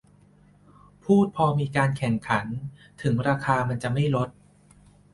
พูดพอมีการแข่งขัน ถึงราคามันจะไม่ลด